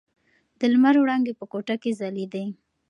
د لمر وړانګې په کوټه کې ځلېدې.